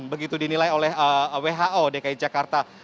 begitu dinilai oleh who dki jakarta